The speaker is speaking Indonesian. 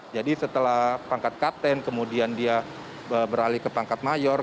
jadi setelah pangkat kapten kemudian dia beralih ke pangkat mayor